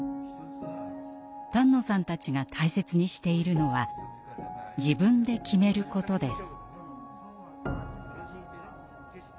丹野さんたちが大切にしているのは「自分で決めること」です。